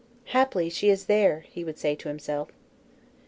"Haply she is there!" he would say to himself.